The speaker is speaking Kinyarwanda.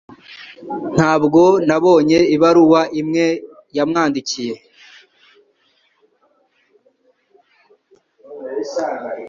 Ntabwo nabonye ibaruwa imwe yamwandikiye